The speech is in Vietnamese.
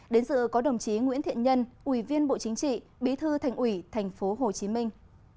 đến dự có đồng chí nguyễn thiện nhân ủy viên bộ chính trị bí thư thành ủy thành phố hồ chí minh